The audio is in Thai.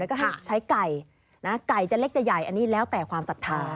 แล้วก็ให้ใช้ไก่นะไก่จะเล็กจะใหญ่อันนี้แล้วแต่ความศรัทธา